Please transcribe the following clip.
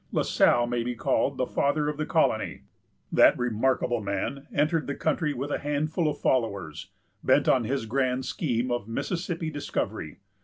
La Salle may be called the father of the colony. That remarkable man entered the country with a handful of followers, bent on his grand scheme of Mississippi discovery.